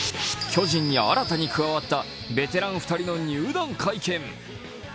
巨人に新たに加わったベテラン２人の入団会見。